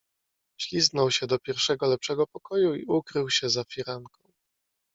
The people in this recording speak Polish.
"Wślizgnął się do pierwszego lepszego pokoju i ukrył się za firanką."